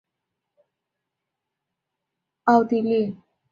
施泰尔埃格是奥地利上奥地利州乌尔法尔城郊县的一个市镇。